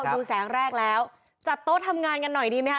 ดูแสงแรกแล้วจัดโต๊ะทำงานกันหน่อยดีไหมค